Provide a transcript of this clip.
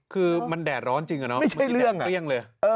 คือมันแดดร้อนจริงไม่ใช่เรื่อง